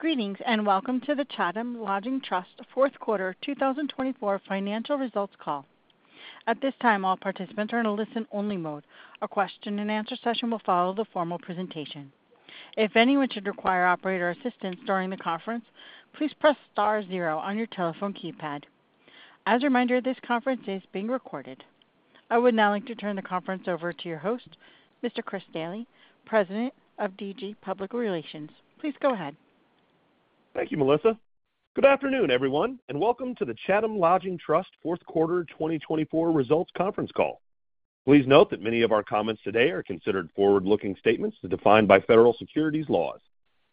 Greetings and welcome to the Chatham Lodging Trust Q4 2024 Financial Results Call. At this time, all participants are in a listen-only mode. A question-and-answer session will follow the formal presentation. If anyone should require operator assistance during the conference, please press star zero on your telephone keypad. As a reminder, this conference is being recorded. I would now like to turn the conference over to your host, Mr. Chris Daly, President of DG Public Relations. Please go ahead. Thank you, Melissa. Good afternoon, everyone, and welcome to the Chatham Lodging Trust Q4 2024 Results Conference Call. Please note that many of our comments today are considered forward-looking statements as defined by federal securities laws.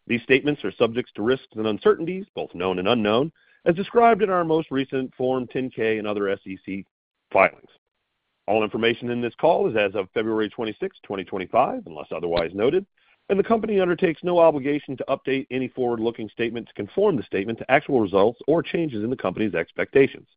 These statements are subject to risks and uncertainties, both known and unknown, as described in our most recent Form 10-K and other SEC filings. All information in this call is as of February 26, 2025, unless otherwise noted, and the company undertakes no obligation to update any forward-looking statements to conform the statement to actual results or changes in the company's expectations.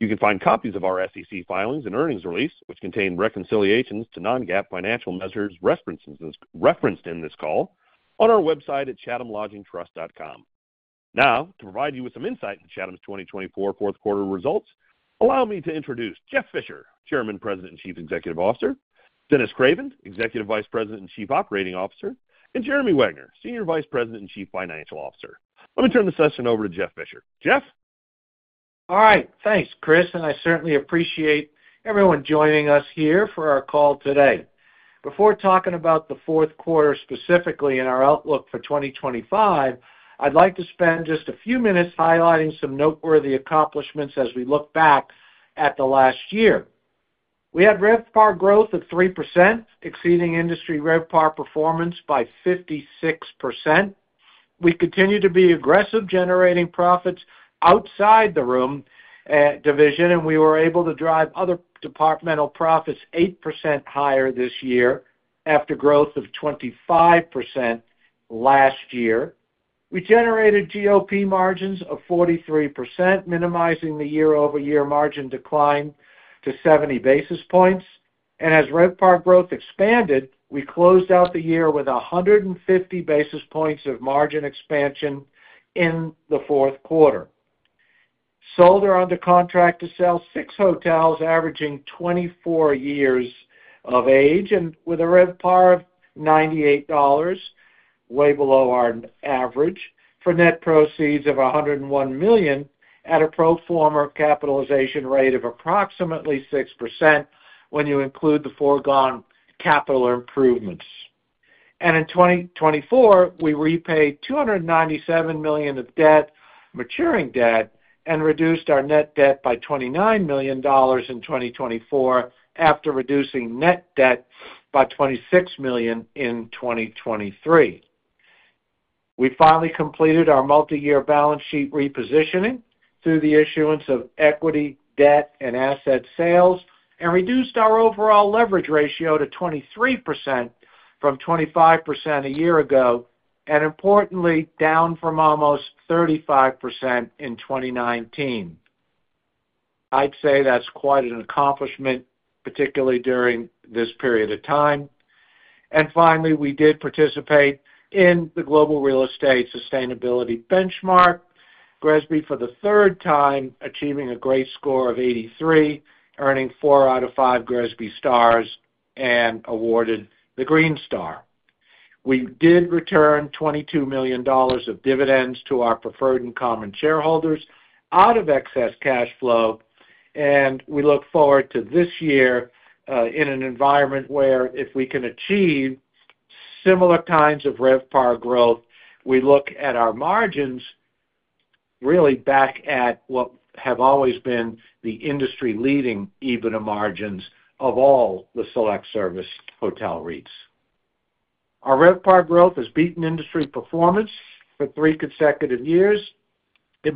You can find copies of our SEC filings and earnings release, which contain reconciliations to non-GAAP financial measures referenced in this call, on our website at chathamlodgingtrust.com. Now, to provide you with some insight into Chatham's 2024 Q4 results, allow me to introduce Jeff Fisher, Chairman, President, and Chief Executive Officer, Dennis Craven, Executive Vice President and Chief Operating Officer, and Jeremy Wegner, Senior Vice President and Chief Financial Officer. Let me turn the session over to Jeff Fisher. Jeff? All right. Thanks, Chris. And I certainly appreciate everyone joining us here for our call today. Before talking about the Q4 specifically and our outlook for 2025, I'd like to spend just a few minutes highlighting some noteworthy accomplishments as we look back at the last year. We had RevPAR growth of 3%, exceeding industry RevPAR performance by 56%. We continue to be aggressive generating profits outside the room division, and we were able to drive other departmental profits 8% higher this year after growth of 25% last year. We generated GOP margins of 43%, minimizing the year-over-year margin decline to 70 basis points. And as RevPAR growth expanded, we closed out the year with 150 basis points of margin expansion in the Q4. Sold or under contract to sell six hotels averaging 24 years of age and with a RevPAR of $98, way below our average, for net proceeds of $101 million at a pro forma capitalization rate of approximately 6% when you include the foregone capital improvements and in 2024, we repaid $297 million of maturing debt and reduced our net debt by $29 million in 2024 after reducing net debt by $26 million in 2023. We finally completed our multi-year balance sheet repositioning through the issuance of equity, debt, and asset sales and reduced our overall leverage ratio to 23% from 25% a year ago and, importantly, down from almost 35% in 2019. I'd say that's quite an accomplishment, particularly during this period of time. Finally, we did participate in the Global Real Estate Sustainability Benchmark, GRESB, for the third time, achieving a great score of 83, earning four out of five GRESB stars and awarded the Green Star. We did return $22 million of dividends to our preferred and common shareholders out of excess cash flow, and we look forward to this year in an environment where, if we can achieve similar kinds of RevPar growth, we look at our margins really back at what have always been the industry-leading EBITDA margins of all the select service hotel REITs. Our RevPar growth has beaten industry performance for three consecutive years.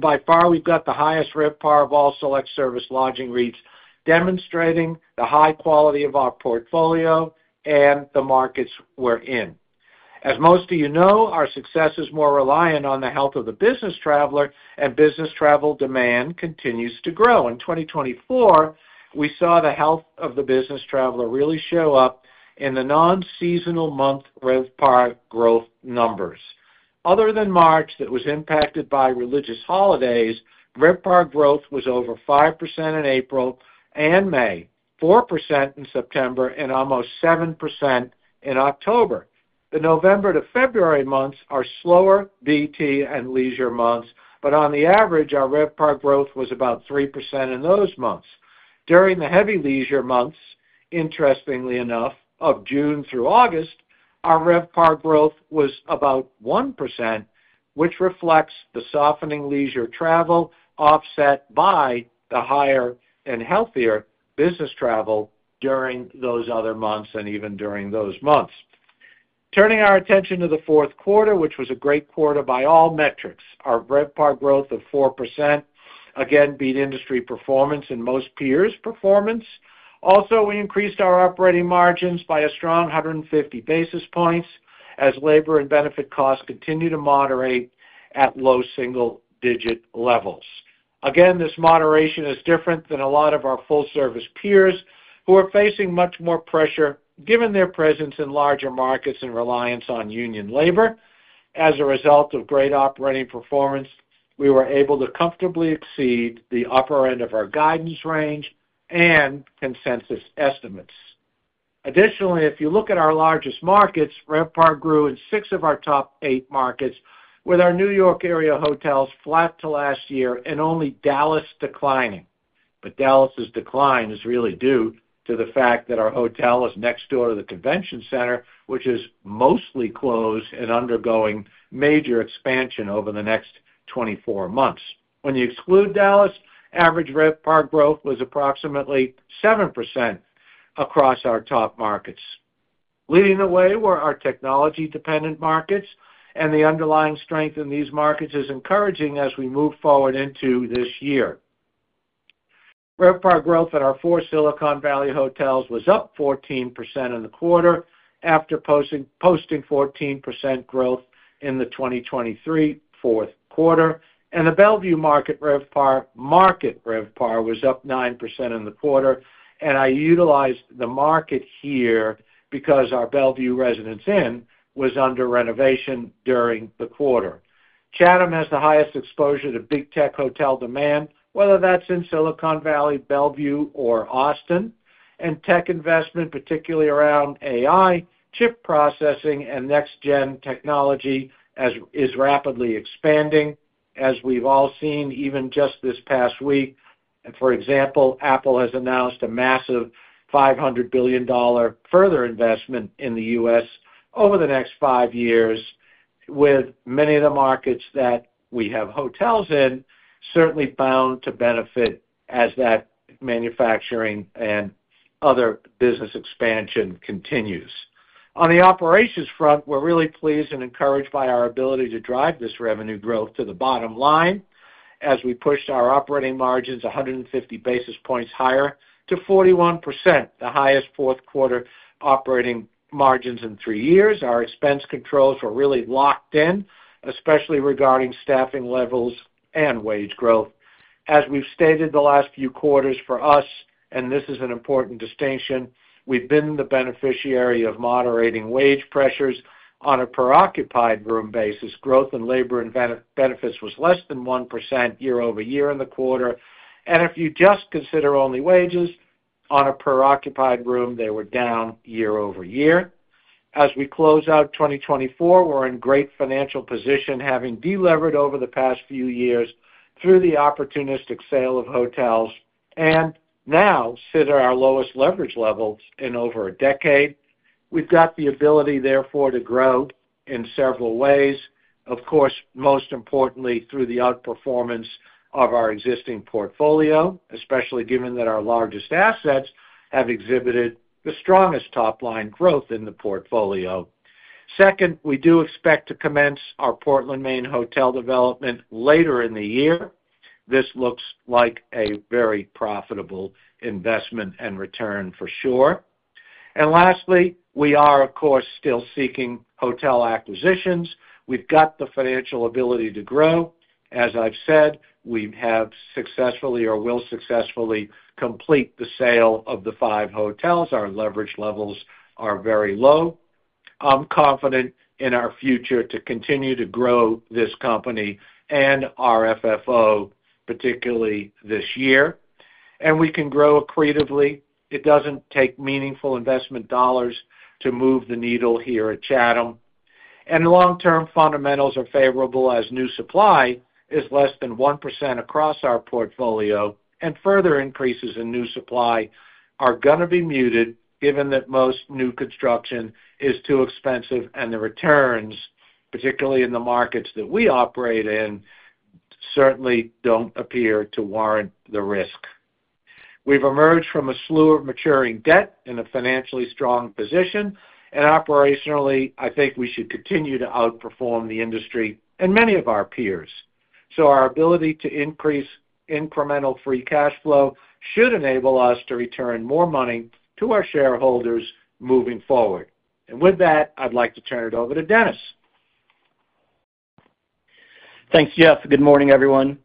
By far, we've got the highest RevPar of all select Service lodging REITs, demonstrating the high quality of our portfolio and the markets we're in. As most of you know, our success is more reliant on the health of the business traveler, and business travel demand continues to grow. In 2024, we saw the health of the business traveler really show up in the non-seasonal month RevPAR growth numbers. Other than March, that was impacted by religious holidays, RevPAR growth was over 5% in April and May, 4% in September, and almost 7% in October. The November to February months are slower BT and leisure months, but on the average, our RevPAR growth was about 3% in those months. During the heavy leisure months, interestingly enough, of June through August, our RevPAR growth was about 1%, which reflects the softening leisure travel offset by the higher and healthier business travel during those other months and even during those months. Turning our attention to the Q4, which was a great quarter by all metrics, our RevPAR growth of 4% again beat industry performance and most peers' performance. Also, we increased our operating margins by a strong 150 basis points as labor and benefit costs continue to moderate at low single-digit levels. Again, this moderation is different than a lot of our full-service peers who are facing much more pressure given their presence in larger markets and reliance on union labor. As a result of great operating performance, we were able to comfortably exceed the upper end of our guidance range and consensus estimates. Additionally, if you look at our largest markets, RevPAR grew in six of our top eight markets, with our New York area hotels flat to last year and only Dallas declining. But Dallas's decline is really due to the fact that our hotel is next door to the convention center, which is mostly closed and undergoing major expansion over the next 24 months. When you exclude Dallas, average RevPAR growth was approximately 7% across our top markets. Leading the way were our technology-dependent markets, and the underlying strength in these markets is encouraging as we move forward into this year. RevPAR growth at our four Silicon Valley hotels was up 14% in the quarter after posting 14% growth in the 2023 Q4. And the Bellevue market RevPAR was up 9% in the quarter. And I utilized the market here because our Bellevue Residence Inn was under renovation during the quarter. Chatham has the highest exposure to Big Tech hotel demand, whether that's in Silicon Valley, Bellevue, or Austin. Tech investment, particularly around AI, chip processing, and next-gen technology, is rapidly expanding, as we've all seen even just this past week. For example, Apple has announced a massive $500 billion further investment in the U.S. over the next five years, with many of the markets that we have hotels in certainly bound to benefit as that manufacturing and other business expansion continues. On the operations front, we're really pleased and encouraged by our ability to drive this revenue growth to the bottom line as we pushed our operating margins 150 basis points higher to 41%, the highest Q4 operating margins in three years. Our expense controls were really locked in, especially regarding staffing levels and wage growth. As we've stated the last few quarters for us, and this is an important distinction, we've been the beneficiary of moderating wage pressures on a per-occupied room basis. Growth in labor and benefits was less than 1% year-over-year in the quarter. If you just consider only wages on a per-occupied room, they were down year-over-year. As we close out 2024, we're in great financial position, having delivered over the past few years through the opportunistic sale of hotels and now sit at our lowest leverage levels in over a decade. We've got the ability, therefore, to grow in several ways. Of course, most importantly, through the outperformance of our existing portfolio, especially given that our largest assets have exhibited the strongest top-line growth in the portfolio. Second, we do expect to commence our Portland, Maine hotel development later in the year. This looks like a very profitable investment and return for sure. Lastly, we are, of course, still seeking hotel acquisitions. We've got the financial ability to grow. As I've said, we have successfully or will successfully complete the sale of the five hotels. Our leverage levels are very low. I'm confident in our future to continue to grow this company and our FFO, particularly this year, and we can grow accretively. It doesn't take meaningful investment dollars to move the needle here at Chatham, and long-term fundamentals are favorable as new supply is less than 1% across our portfolio, and further increases in new supply are going to be muted given that most new construction is too expensive and the returns, particularly in the markets that we operate in, certainly don't appear to warrant the risk. We've emerged from a slew of maturing debt in a financially strong position, and operationally, I think we should continue to outperform the industry and many of our peers. So our ability to increase incremental free cash flow should enable us to return more money to our shareholders moving forward. And with that, I'd like to turn it over to Dennis. Thanks, Jeff. Good morning, everyone.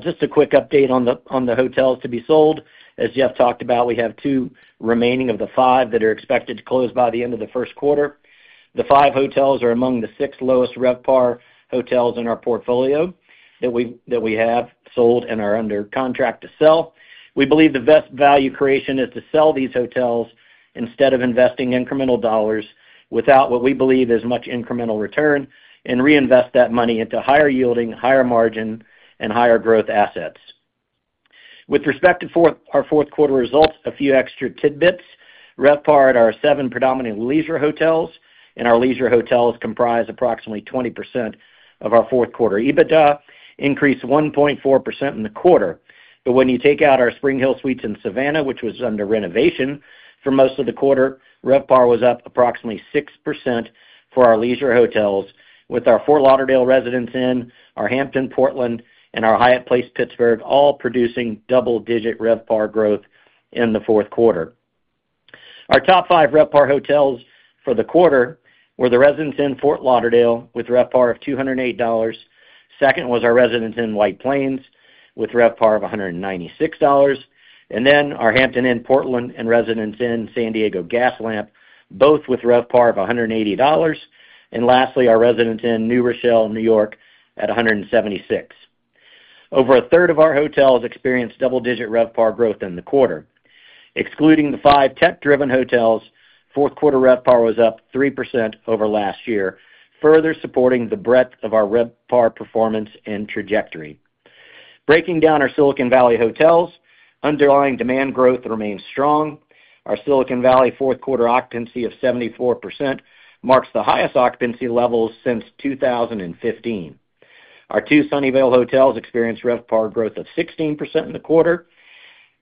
Just a quick update on the hotels to be sold. As Jeff talked about, we have two remaining of the five that are expected to close by the end of the first quarter. The five hotels are among the six lowest RevPAR hotels in our portfolio that we have sold and are under contract to sell. We believe the best value creation is to sell these hotels instead of investing incremental dollars without what we believe is much incremental return and reinvest that money into higher yielding, higher margin, and higher growth assets. With respect to our Q4 results, a few extra tidbits. RevPAR at our seven predominantly leisure hotels, and our leisure hotels comprise approximately 20% of our Q4 EBITDA, increased 1.4% in the quarter. But when you take out our SpringHill Suites in Savannah, which was under renovation for most of the quarter, RevPAR was up approximately 6% for our leisure hotels with our Fort Lauderdale Residence Inn, our Hampton Inn Portland, and our Hyatt Place Pittsburgh all producing double-digit RevPAR growth in the Q4. Our top five RevPAR hotels for the quarter were the Residence Inn Fort Lauderdale with RevPAR of $208. Second was our Residence Inn White Plains with RevPAR of $196. And then our Hampton Inn Portland and Residence Inn San Diego Gaslamp, both with RevPAR of $180. And lastly, our Residence Inn New Rochelle, New York, at $176. Over a third of our hotels experienced double-digit RevPAR growth in the quarter. Excluding the five tech-driven hotels, Q4 RevPAR was up 3% over last year, further supporting the breadth of our RevPAR performance and trajectory. Breaking down our Silicon Valley hotels, underlying demand growth remains strong. Our Silicon Valley Q4 occupancy of 74% marks the highest occupancy levels since 2015. Our two Sunnyvale hotels experienced RevPAR growth of 16% in the quarter,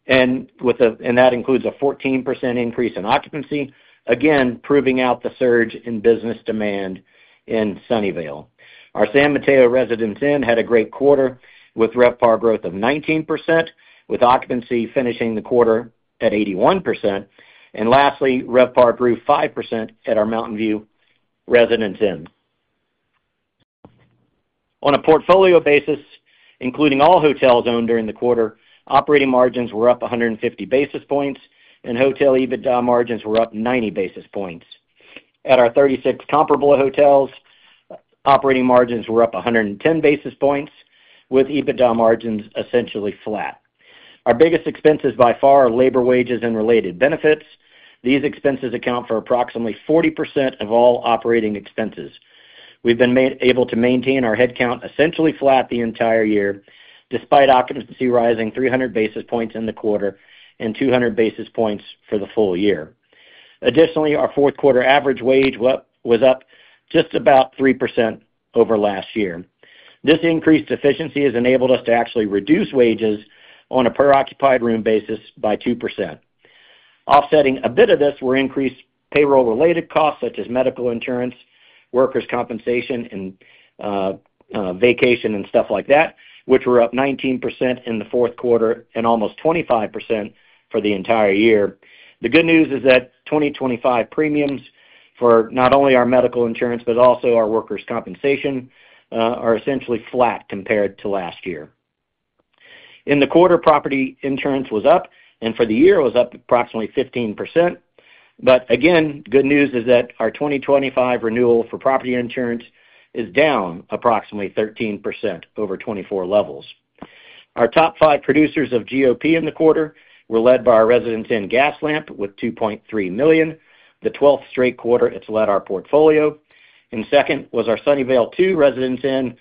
and that includes a 14% increase in occupancy, again proving out the surge in business demand in Sunnyvale. Our San Mateo Residence Inn had a great quarter with RevPAR growth of 19%, with occupancy finishing the quarter at 81%, and lastly, RevPAR grew 5% at our Mountain View Residence Inn. On a portfolio basis, including all hotels owned during the quarter, operating margins were up 150 basis points, and hotel EBITDA margins were up 90 basis points. At our 36 comparable hotels, operating margins were up 110 basis points, with EBITDA margins essentially flat. Our biggest expenses by far are labor wages and related benefits. These expenses account for approximately 40% of all operating expenses. We've been able to maintain our headcount essentially flat the entire year, despite occupancy rising 300 basis points in the quarter and 200 basis points for the full year. Additionally, our Q4 average wage was up just about 3% over last year. This increased efficiency has enabled us to actually reduce wages on a per-occupied room basis by 2%. Offsetting a bit of this were increased payroll-related costs such as medical insurance, workers' compensation, and vacation and stuff like that, which were up 19% in the Q4 and almost 25% for the entire year. The good news is that 2025 premiums for not only our medical insurance but also our workers' compensation are essentially flat compared to last year. In the quarter, property insurance was up, and for the year, it was up approximately 15%. But again, good news is that our 2025 renewal for property insurance is down approximately 13% over 2024 levels. Our top five producers of GOP in the quarter were led by our Residence Inn Gaslamp with $2.3 million. The 12th straight quarter it's led our portfolio. And second was our Sunnyvale Residence Inn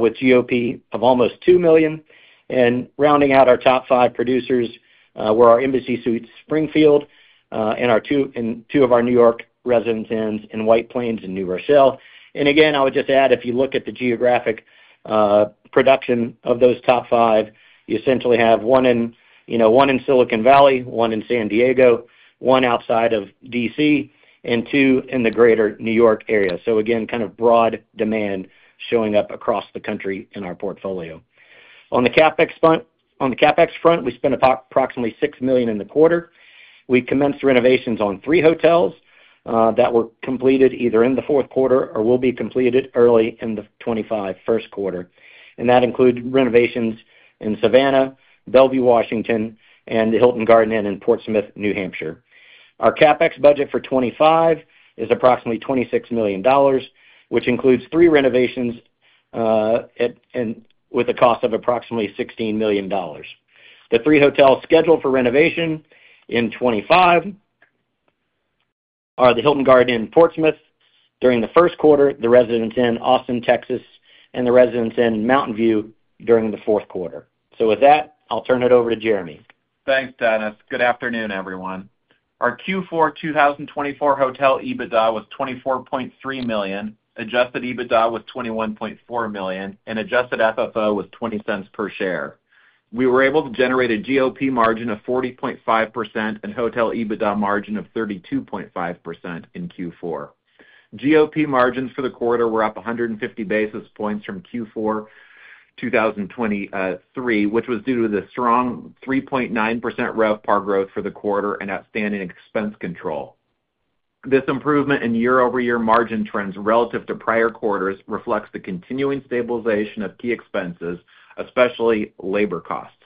with GOP of almost $2 million. And rounding out our top five producers were our Embassy Suites Springfield and two of our New York Residence Inns in White Plains and New Rochelle. Again, I would just add, if you look at the geographic production of those top five, you essentially have one in Silicon Valley, one in San Diego, one outside of DC, and two in the greater New York area. So again, kind of broad demand showing up across the country in our portfolio. On the CapEx front, we spent approximately $6 million in the quarter. We commenced renovations on three hotels that were completed either in the Q4 or will be completed early in the 25 Q1. And that included renovations in Savannah, Bellevue, Washington, and the Hilton Garden Inn in Portsmouth, New Hampshire. Our CapEx budget for 25 is approximately $26 million, which includes three renovations with a cost of approximately $16 million. The three hotels scheduled for renovation in 25 are the Hilton Garden Inn in Portsmouth during the first quarter, the Residence Inn in Austin, Texas, and the Residence Inn in Mountain View during the Q4. So with that, I'll turn it over to Jeremy. Thanks, Dennis. Good afternoon, everyone. Our Q4 2024 hotel EBITDA was $24.3 million. Adjusted EBITDA was $21.4 million, and Adjusted FFO was $0.20 per share. We were able to generate a GOP margin of 40.5% and hotel EBITDA margin of 32.5% in Q4. GOP margins for the quarter were up 150 basis points from Q4 2023, which was due to the strong 3.9% RevPAR growth for the quarter and outstanding expense control. This improvement in year-over-year margin trends relative to prior quarters reflects the continuing stabilization of key expenses, especially labor costs.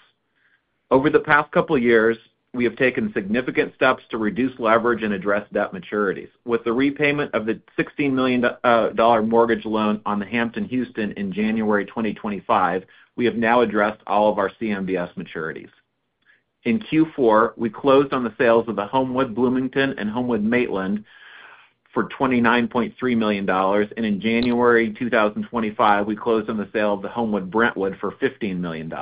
Over the past couple of years, we have taken significant steps to reduce leverage and address debt maturities. With the repayment of the $16 million mortgage loan on the Hampton Houston in January 2025, we have now addressed all of our CMBS maturities. In Q4, we closed on the sales of the Homewood Bloomington and Homewood Maitland for $29.3 million. And in January 2025, we closed on the sale of the Homewood Brentwood for $15 million.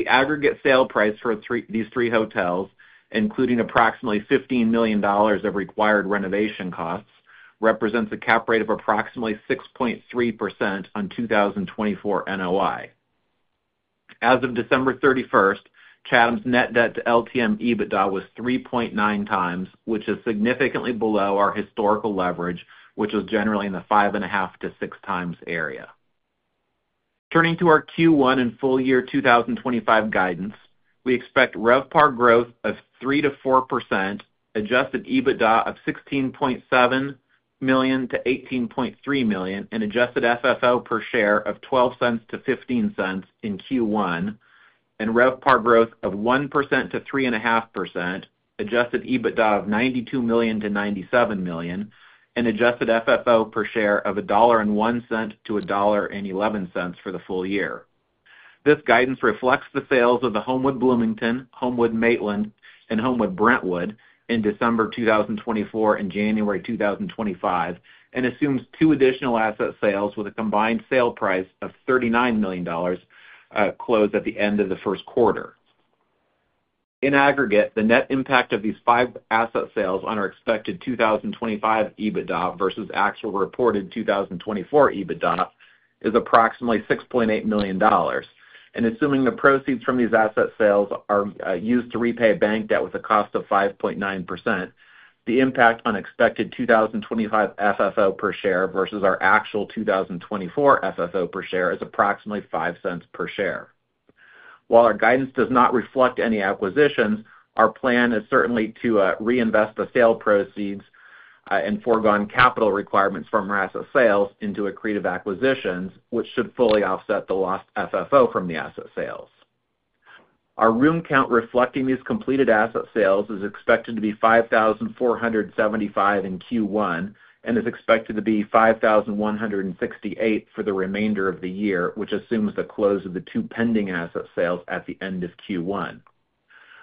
The aggregate sale price for these three hotels, including approximately $15 million of required renovation costs, represents a cap rate of approximately 6.3% on 2024 NOI. As of December 31st, Chatham's net debt to LTM EBITDA was 3.9 times, which is significantly below our historical leverage, which was generally in the five and a half to six times area. Turning to our Q1 and full year 2025 guidance, we expect RevPAR growth of 3%-4%, Adjusted EBITDA of $16.7 million-$18.3 million, and Adjusted FFO per share of $0.12-$0.15 in Q1, and RevPAR growth of 1%-3.5%, Adjusted EBITDA of $92 million-$97 million, and Adjusted FFO per share of $1.01-$1.11 for the full year. This guidance reflects the sales of the Homewood Bloomington, Homewood Maitland, and Homewood Brentwood in December 2024 and January 2025 and assumes two additional asset sales with a combined sale price of $39 million closed at the end of the first quarter. In aggregate, the net impact of these five asset sales on our expected 2025 EBITDA versus actual reported 2024 EBITDA is approximately $6.8 million. Assuming the proceeds from these asset sales are used to repay bank debt with a cost of 5.9%, the impact on expected 2025 FFO per share versus our actual 2024 FFO per share is approximately $0.05 per share. While our guidance does not reflect any acquisitions, our plan is certainly to reinvest the sale proceeds and foregone capital requirements from our asset sales into accretive acquisitions, which should fully offset the lost FFO from the asset sales. Our room count reflecting these completed asset sales is expected to be 5,475 in Q1 and is expected to be 5,168 for the remainder of the year, which assumes the close of the two pending asset sales at the end of Q1.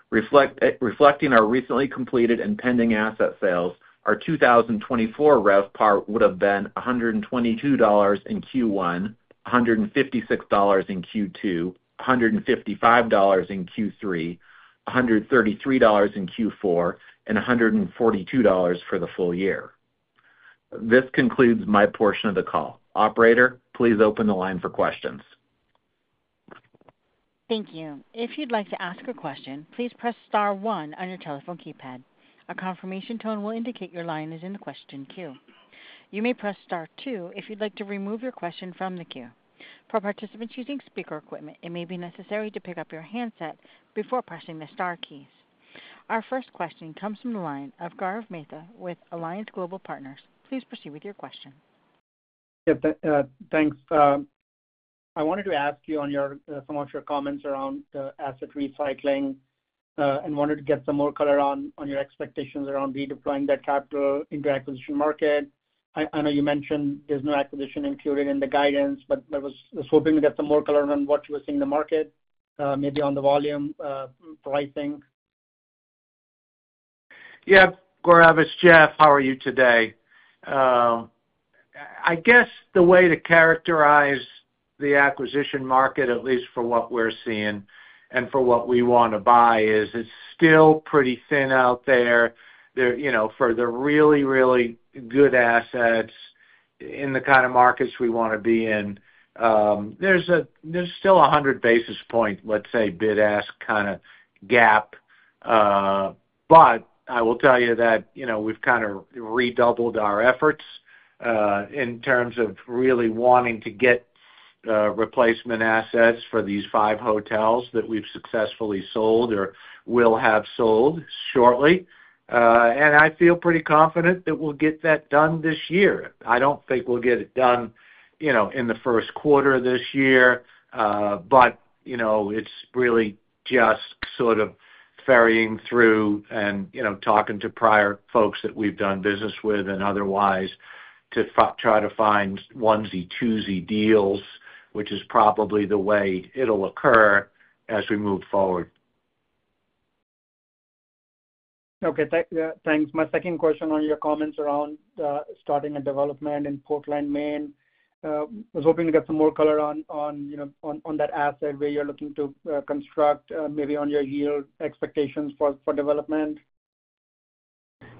Reflecting our recently completed and pending asset sales, our 2024 RevPAR would have been $122 in Q1, $156 in Q2, $155 in Q3, $133 in Q4, and $142 for the full year. This concludes my portion of the call. Operator, please open the line for questions. Thank you. If you'd like to ask a question, please press star one on your telephone keypad. A confirmation tone will indicate your line is in the question queue. You may press star two if you'd like to remove your question from the queue. For participants using speaker equipment, it may be necessary to pick up your handset before pressing the star keys. Our first question comes from the line of Gaurav Mehta with Alliance Global Partners. Please proceed with your question. Yep. Thanks. I wanted to ask you on some of your comments around the asset recycling and wanted to get some more color on your expectations around redeploying that capital into acquisition market. I know you mentioned there's no acquisition included in the guidance, but I was hoping to get some more color on what you were seeing in the market, maybe on the volume pricing. Yeah. Gaurav, Jeff, how are you today? I guess the way to characterize the acquisition market, at least for what we're seeing and for what we want to buy, is it's still pretty thin out there for the really, really good assets in the kind of markets we want to be in. There's still a 100 basis point, let's say, bid-ask kind of gap. But I will tell you that we've kind of redoubled our efforts in terms of really wanting to get replacement assets for these five hotels that we've successfully sold or will have sold shortly. And I feel pretty confident that we'll get that done this year. I don't think we'll get it done in the first quarter of this year, but it's really just sort of ferreting through and talking to prior folks that we've done business with and otherwise to try to find onesie-twosie deals, which is probably the way it'll occur as we move forward. Okay. Thanks. My second question on your comments around starting a development in Portland, Maine. I was hoping to get some more color on that asset where you're looking to construct, maybe on your yield expectations for development.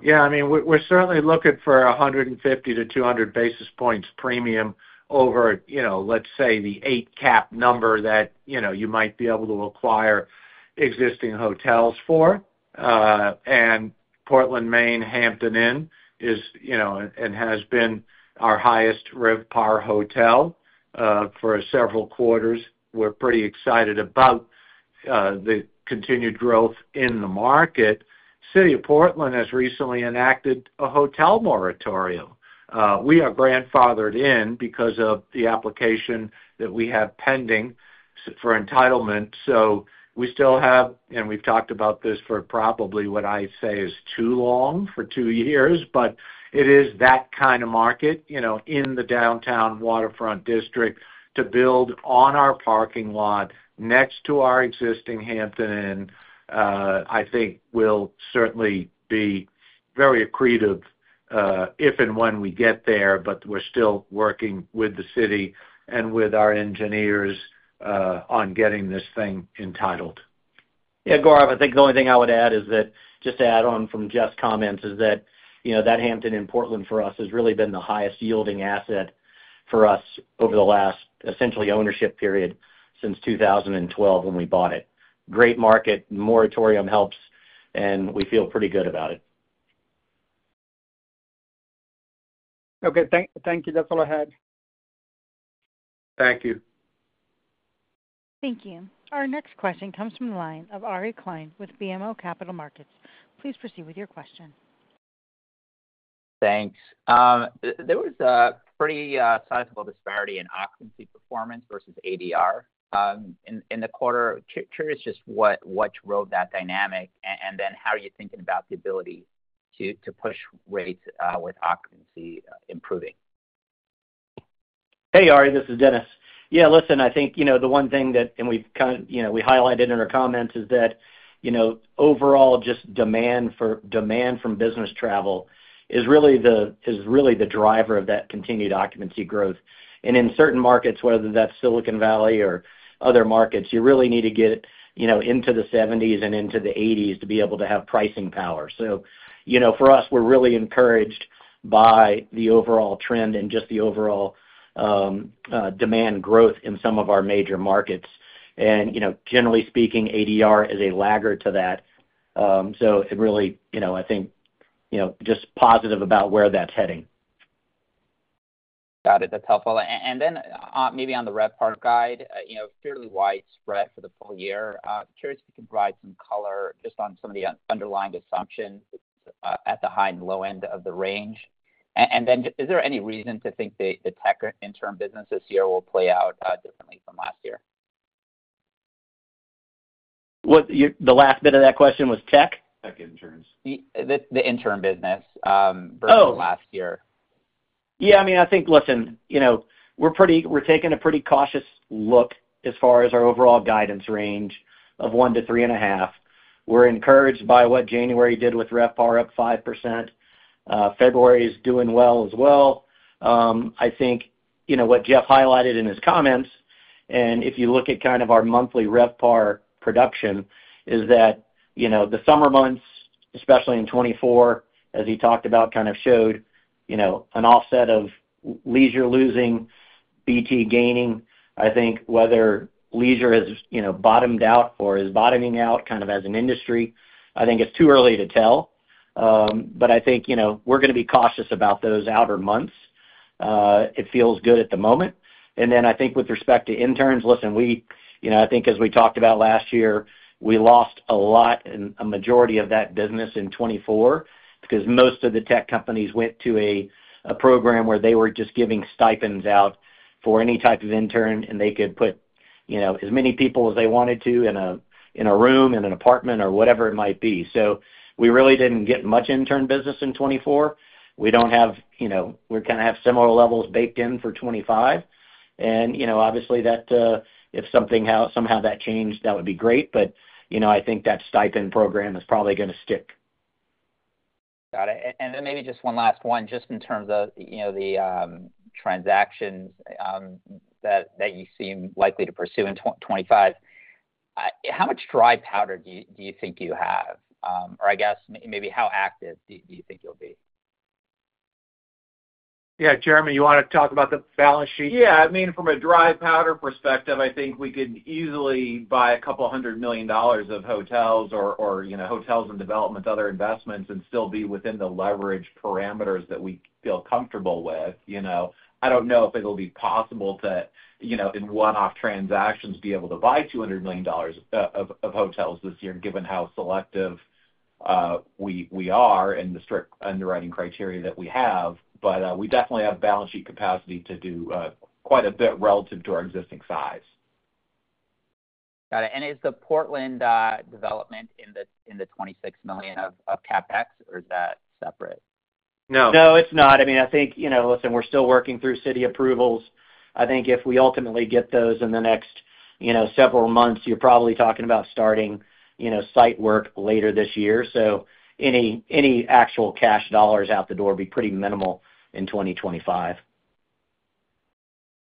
Yeah. I mean, we're certainly looking for 150-200 basis points premium over, let's say, the eight-cap number that you might be able to acquire existing hotels for. And Portland, Maine, Hampton Inn has been our highest RevPAR hotel for several quarters. We're pretty excited about the continued growth in the market. City of Portland has recently enacted a hotel moratorium. We are grandfathered in because of the application that we have pending for entitlement. So we still have, and we've talked about this for probably what I say is too long for two years, but it is that kind of market in the downtown waterfront district to build on our parking lot next to our existing Hampton Inn. I think we'll certainly be very accretive if and when we get there, but we're still working with the city and with our engineers on getting this thing entitled. Yeah. Gaurav, I think the only thing I would add is that just to add on from Jeff's comments is that that Hampton in Portland for us has really been the highest yielding asset for us over the last essentially ownership period since 2012 when we bought it. Great market. Moratorium helps, and we feel pretty good about it. Okay. Thank you. That's all I had. Thank you. Thank you. Our next question comes from the line of Ari Klein with BMO Capital Markets. Please proceed with your question. Thanks. There was a pretty sizable disparity in occupancy performance versus ADR in the quarter. Curious, just what drove that dynamic and then how are you thinking about the ability to push rates with occupancy improving? Hey, Ari. This is Dennis. Yeah. Listen, I think the one thing that we highlighted in our comments is that overall, just demand from business travel is really the driver of that continued occupancy growth. And in certain markets, whether that's Silicon Valley or other markets, you really need to get into the 70s and into the 80s to be able to have pricing power. So for us, we're really encouraged by the overall trend and just the overall demand growth in some of our major markets. And generally speaking, ADR is a laggard to that. So really, I think just positive about where that's heading. Got it. That's helpful. And then maybe on the RevPAR guide, fairly widespread for the full year. Curious if you can provide some color just on some of the underlying assumptions at the high and low end of the range? And then is there any reason to think the tech transient business this year will play out differently from last year? The last bit of that question was tech? Tech interns. The interim business versus last year. Oh. Yeah. I mean, I think, listen, we're taking a pretty cautious look as far as our overall guidance range of one to three and a half. We're encouraged by what January did with RevPAR up 5%. February is doing well as well. I think what Jeff highlighted in his comments, and if you look at kind of our monthly RevPAR production, is that the summer months, especially in 24, as he talked about, kind of showed an offset of leisure losing, BT gaining. I think whether leisure has bottomed out or is bottoming out kind of as an industry, I think it's too early to tell. But I think we're going to be cautious about those outer months. It feels good at the moment. And then I think with respect to interns, listen. I think as we talked about last year, we lost a lot and a majority of that business in 24 because most of the tech companies went to a program where they were just giving stipends out for any type of intern, and they could put as many people as they wanted to in a room, in an apartment, or whatever it might be. So we really didn't get much intern business in 24. We kind of have similar levels baked in for 25. And obviously, if something somehow that changed, that would be great. But I think that stipend program is probably going to stick. Got it. And then maybe just one last one, just in terms of the transactions that you seem likely to pursue in 25. How much dry powder do you think you have? Or I guess maybe how active do you think you'll be? Yeah. Jeremy, you want to talk about the balance sheet? Yeah. I mean, from a dry powder perspective, I think we could easily buy $200 million of hotels or hotels and developments, other investments, and still be within the leverage parameters that we feel comfortable with. I don't know if it'll be possible to, in one-off transactions, be able to buy $200 million of hotels this year, given how selective we are and the strict underwriting criteria that we have. But we definitely have balance sheet capacity to do quite a bit relative to our existing size. Got it. And is the Portland development in the $26 million of CapEx, or is that separate? No. No, it's not. I mean, I think, listen, we're still working through city approvals. I think if we ultimately get those in the next several months, you're probably talking about starting site work later this year. So any actual cash dollars out the door would be pretty minimal in 2025.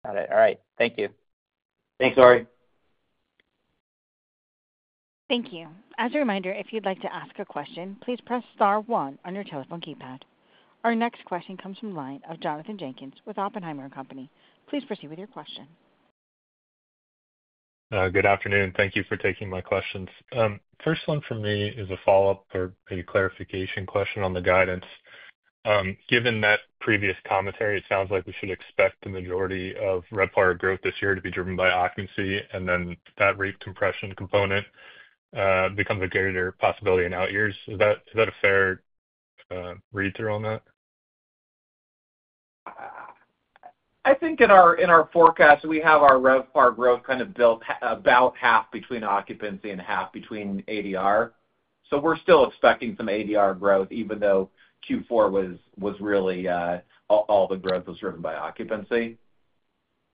Got it. All right. Thank you. Thanks, Ari. Thank you. As a reminder, if you'd like to ask a question, please press star one on your telephone keypad. Our next question comes from the line of Jonathan Jenkins with Oppenheimer & Company. Please proceed with your question. Good afternoon. Thank you for taking my questions. First one for me is a follow-up or a clarification question on the guidance. Given that previous commentary, it sounds like we should expect the majority of RevPAR growth this year to be driven by occupancy, and then that rate compression component becomes a greater possibility in out years. Is that a fair read-through on that? I think in our forecast, we have our RevPAR growth kind of built about half between occupancy and half between ADR. So we're still expecting some ADR growth, even though Q4 was really all the growth was driven by occupancy.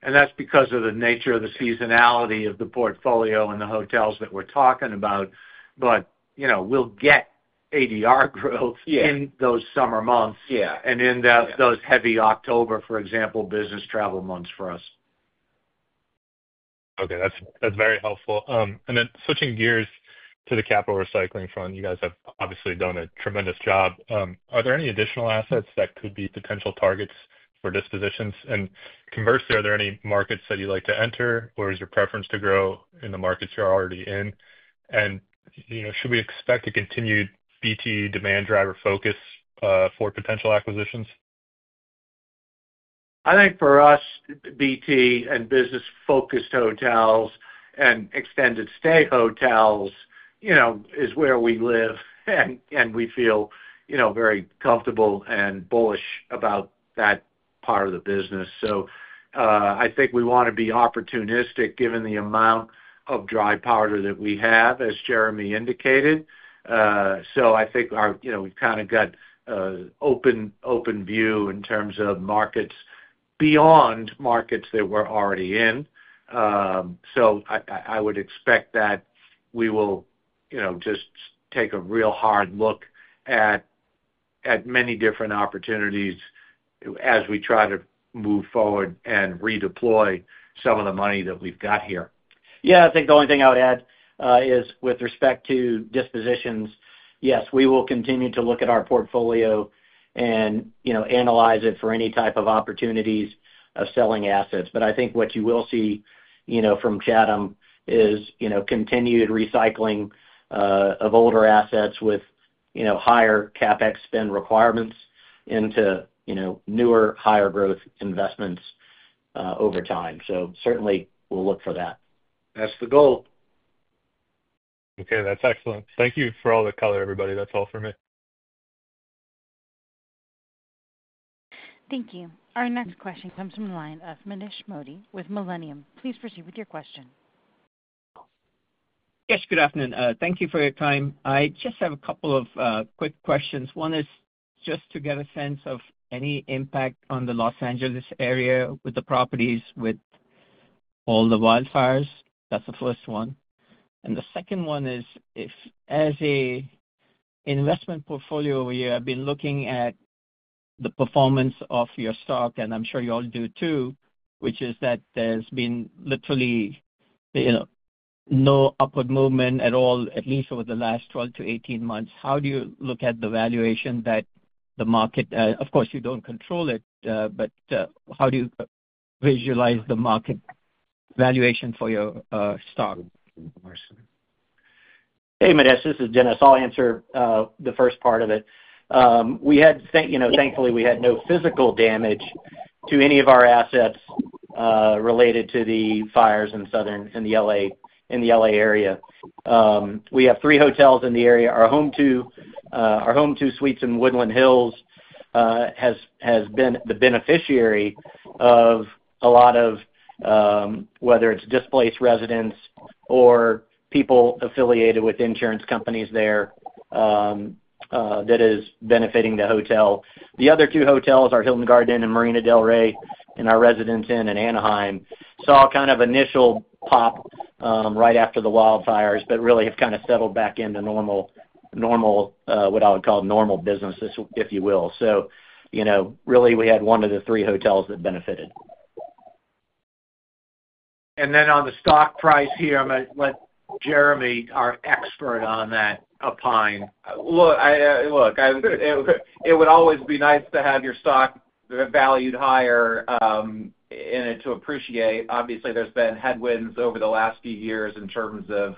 That's because of the nature of the seasonality of the portfolio and the hotels that we're talking about. We'll get ADR growth in those summer months and in those heavy October, for example, business travel months for us. Okay. That's very helpful. And then switching gears to the capital recycling front, you guys have obviously done a tremendous job. Are there any additional assets that could be potential targets for dispositions? And conversely, are there any markets that you'd like to enter, or is your preference to grow in the markets you're already in? And should we expect a continued BT demand driver focus for potential acquisitions? I think for us, BT and business-focused hotels and extended stay hotels is where we live, and we feel very comfortable and bullish about that part of the business. So I think we want to be opportunistic given the amount of dry powder that we have, as Jeremy indicated. So I think we've kind of got an open view in terms of markets beyond markets that we're already in. So I would expect that we will just take a real hard look at many different opportunities as we try to move forward and redeploy some of the money that we've got here. Yeah. I think the only thing I would add is with respect to dispositions, yes, we will continue to look at our portfolio and analyze it for any type of opportunities of selling assets. But I think what you will see from Chatham is continued recycling of older assets with higher CapEx spend requirements into newer, higher-growth investments over time. So certainly, we'll look for that. That's the goal. Okay. That's excellent. Thank you for all the color, everybody. That's all for me. Thank you. Our next question comes from the line of Manish Modi with Millennium. Please proceed with your question. Yes. Good afternoon. Thank you for your time. I just have a couple of quick questions. One is just to get a sense of any impact on the Los Angeles area with the properties with all the wildfires. That's the first one. And the second one is, as an investment portfolio, you have been looking at the performance of your stock, and I'm sure you all do too, which is that there's been literally no upward movement at all, at least over the last 12-18 months. How do you look at the valuation that the market? Of course, you don't control it, but how do you visualize the market valuation for your stock? Hey, Manish. This is Dennis. I'll answer the first part of it. Thankfully, we had no physical damage to any of our assets related to the fires in the LA area. We have three hotels in the area. Our Home2 Suites in Woodland Hills has been the beneficiary of a lot of whether it's displaced residents or people affiliated with insurance companies there that is benefiting the hotel. The other two hotels, our Hilton Garden Inn Marina del Rey and our Residence Inn in Anaheim, saw kind of initial pop right after the wildfires, but really have kind of settled back into normal, what I would call normal business, if you will. So really, we had one of the three hotels that benefited. And then on the stock price here, I'm going to let Jeremy, our expert on that, opine. Look, it would always be nice to have your stock valued higher and to appreciate. Obviously, there's been headwinds over the last few years in terms of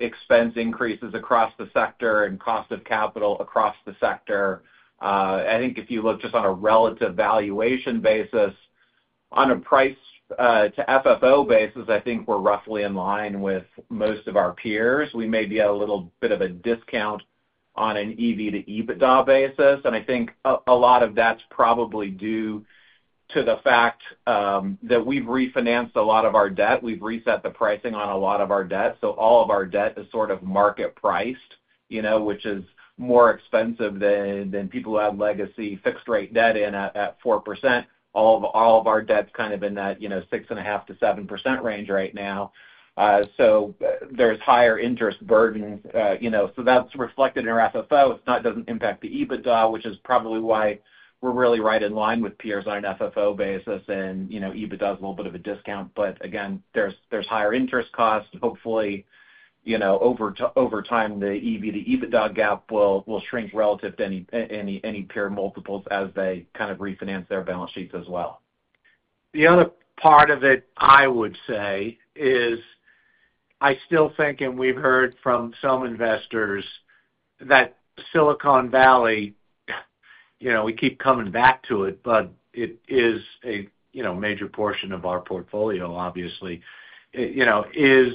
expense increases across the sector and cost of capital across the sector. I think if you look just on a relative valuation basis, on a price-to-FFO basis, I think we're roughly in line with most of our peers. We may be at a little bit of a discount on an EV-to-EBITDA basis, and I think a lot of that's probably due to the fact that we've refinanced a lot of our debt. We've reset the pricing on a lot of our debt, so all of our debt is sort of market-priced, which is more expensive than people who have legacy fixed-rate debt at 4%. All of our debt's kind of in that 6.5%-7% range right now, so there's higher interest burden. So that's reflected in our FFO. It doesn't impact the EBITDA, which is probably why we're really right in line with peers on an FFO basis, and EBITDA is a little bit of a discount. But again, there's higher interest cost. Hopefully, over time, the EV-to-EBITDA gap will shrink relative to any peer multiples as they kind of refinance their balance sheets as well. The other part of it, I would say, is I still think, and we've heard from some investors, that Silicon Valley - we keep coming back to it, but it is a major portion of our portfolio, obviously - is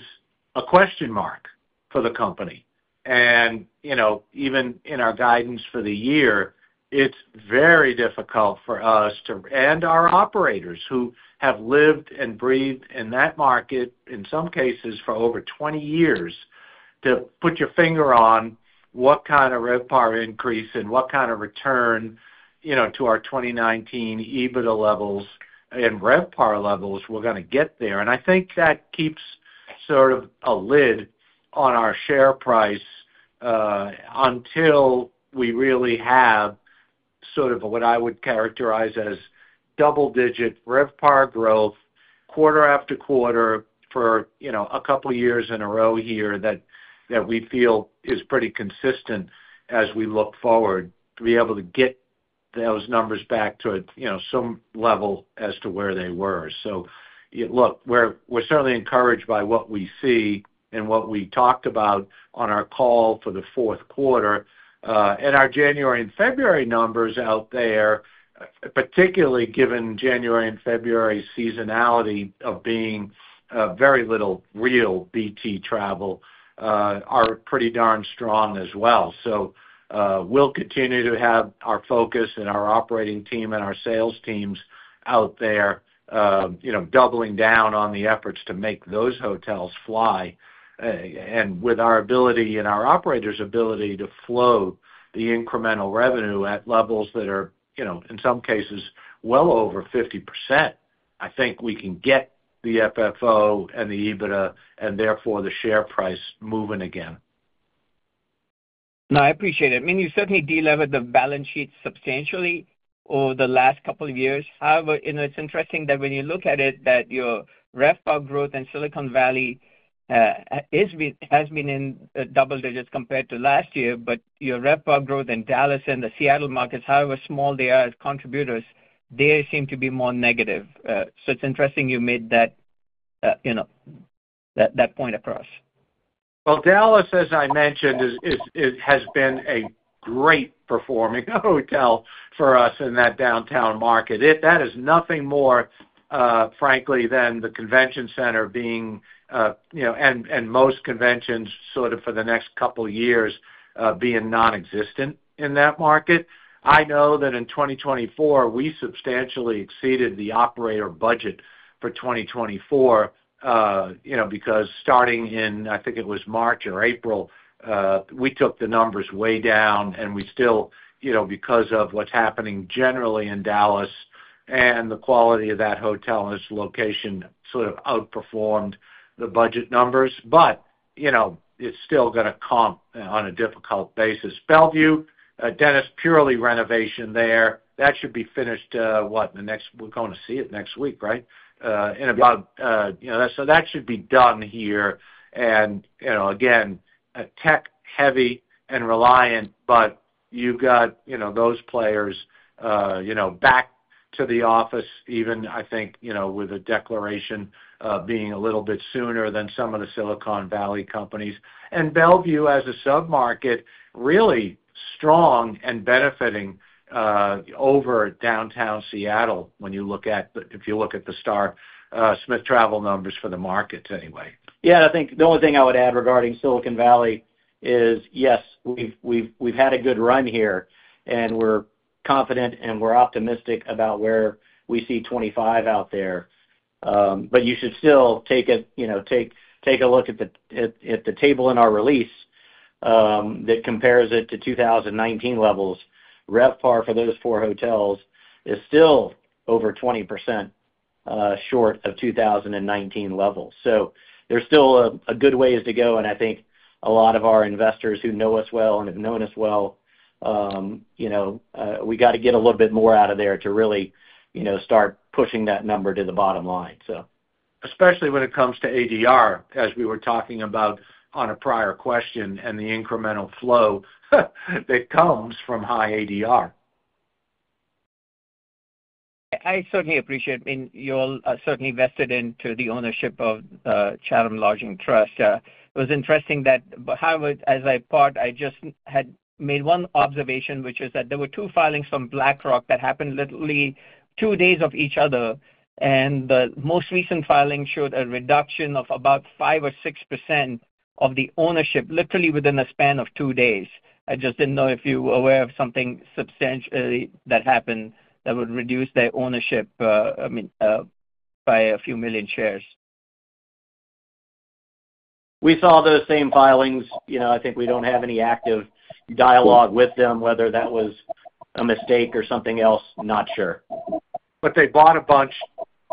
a question mark for the company. And even in our guidance for the year, it's very difficult for us and our operators who have lived and breathed in that market in some cases for over 20 years to put your finger on what kind of RevPAR increase and what kind of return to our 2019 EBITDA levels and RevPAR levels we're going to get there. And I think that keeps sort of a lid on our share price until we really have sort of what I would characterize as double-digit RevPAR growth quarter-after-quarter for a couple of years in a row here that we feel is pretty consistent as we look forward to be able to get those numbers back to some level as to where they were. So look, we're certainly encouraged by what we see and what we talked about on our call for the Q4. And our January and February numbers out there, particularly given January and February seasonality of being very little real BT travel, are pretty darn strong as well. So we'll continue to have our focus and our operating team and our sales teams out there doubling down on the efforts to make those hotels fly. With our ability and our operators' ability to float the incremental revenue at levels that are, in some cases, well over 50%, I think we can get the FFO and the EBITDA and therefore the share price moving again. No, I appreciate it. I mean, you certainly deleveraged the balance sheet substantially over the last couple of years. However, it's interesting that when you look at it, that your RevPAR growth in Silicon Valley has been in double digits compared to last year, but your RevPAR growth in Dallas and the Seattle markets, however small they are as contributors, they seem to be more negative. So it's interesting you made that point across. Dallas, as I mentioned, has been a great-performing hotel for us in that downtown market. That is nothing more, frankly, than the convention center being and most conventions sort of for the next couple of years being nonexistent in that market. I know that in 2024, we substantially exceeded the operator budget for 2024 because starting in, I think it was March or April, we took the numbers way down. We still, because of what's happening generally in Dallas and the quality of that hotel and its location, sort of outperformed the budget numbers. It's still going to comp on a difficult basis. Bellevue, Dennis. Purely renovation there, that should be finished, what, we're going to see it next week, right? In about so that should be done here. Again, tech-heavy and reliant, but you've got those players back to the office, even I think with a declaration being a little bit sooner than some of the Silicon Valley companies. And Bellevue, as a submarket, really strong and benefiting over downtown Seattle when you look at the STR Smith Travel numbers for the markets anyway. Yeah. I think the only thing I would add regarding Silicon Valley is, yes, we've had a good run here, and we're confident, and we're optimistic about where we see 25 out there. But you should still take a look at the table in our release that compares it to 2019 levels. RevPAR for those four hotels is still over 20% short of 2019 levels. So there's still a good ways to go. And I think a lot of our investors who know us well and have known us well, we got to get a little bit more out of there to really start pushing that number to the bottom line, so. Especially when it comes to ADR, as we were talking about on a prior question, and the incremental flow that comes from high ADR. I certainly appreciate it. I mean, you all are certainly vested into the ownership of Chatham Lodging Trust. It was interesting that, however, as I thought, I just had made one observation, which is that there were two filings from BlackRock that happened literally two days of each other. And the most recent filing showed a reduction of about 5 or 6% of the ownership, literally within a span of two days. I just didn't know if you were aware of something substantially that happened that would reduce their ownership, I mean, by a few million shares. We saw those same filings. I think we don't have any active dialogue with them, whether that was a mistake or something else. Not sure. But they bought a bunch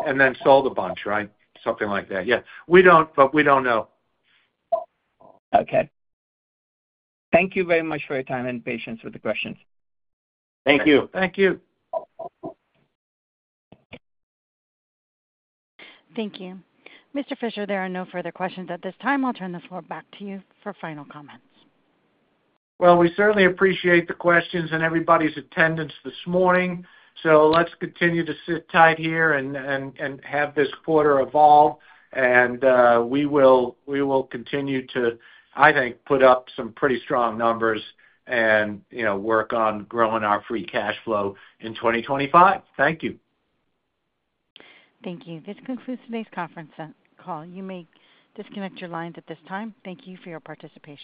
and then sold a bunch, right? Something like that. Yeah. We don't, but we don't know. Okay. Thank you very much for your time and patience with the questions. Thank you. Thank you. Thank you. Mr. Fisher, there are no further questions at this time. I'll turn the floor back to you for final comments. We certainly appreciate the questions and everybody's attendance this morning. Let's continue to sit tight here and have this quarter evolve. We will continue to, I think, put up some pretty strong numbers and work on growing our free cash flow in 2025. Thank you. Thank you. This concludes today's conference call. You may disconnect your lines at this time. Thank you for your participation.